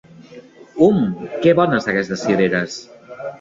Hum, que bones, aquestes cireres!